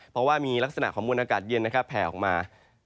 เพราะว่ามีลักษณะของมวลอากาศเย็นนะครับแผ่ออกมา